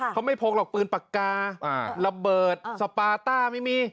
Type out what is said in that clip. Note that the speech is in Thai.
เขาไม่พกหรอกปืนปากการะเบิดสปาต้าไม่มี